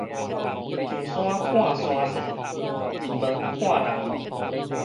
上山看山勢，入門看人意